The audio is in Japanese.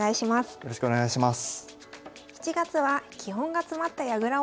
よろしくお願いします。